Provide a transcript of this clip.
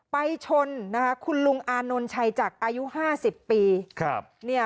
ไปชนคุณลุงอานนท์ชัยจักรอายุ๕๐ปี